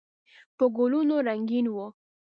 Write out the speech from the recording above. په ګلونو رنګین و.